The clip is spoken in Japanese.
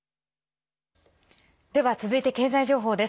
では続いて経済情報です。